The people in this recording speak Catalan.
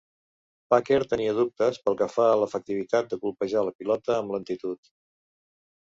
Packer tenia dubtes pel que fa l'efectivitat de colpejar la pilota amb lentitud.